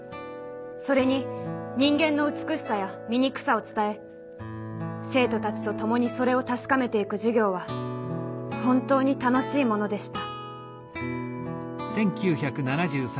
それに人間の美しさや醜さを伝え生徒たちとともにそれを確かめていく授業は本当に楽しいものでした」。